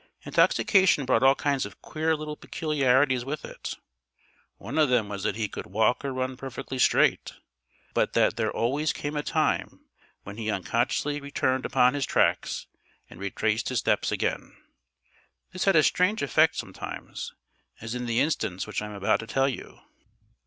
Intoxication brought all kinds of queer little peculiarities with it. One of them was that he could walk or run perfectly straight, but that there always came a time when he unconsciously returned upon his tracks and retraced his steps again. This had a strange effect sometimes, as in the instance which I am about to tell you.